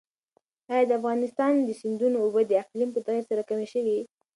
ایا د افغانستان د سیندونو اوبه د اقلیم په تغیر سره کمې شوي؟